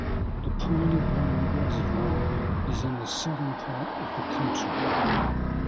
The Piney Run Reservoir is in the southern part of the county.